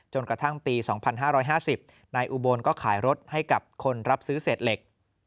กระทั่งปี๒๕๕๐นายอุบลก็ขายรถให้กับคนรับซื้อเศษเหล็ก